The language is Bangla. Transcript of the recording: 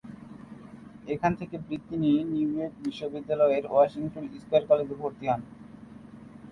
এখান থেকে বৃত্তি নিয়ে নিউ ইয়র্ক বিশ্ববিদ্যালয়ের ওয়াশিংটন স্কয়ার কলেজে ভর্তি হন।